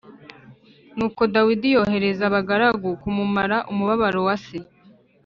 Nuko Dawidi yohereza abagaragu kumumara umubabaro wa se.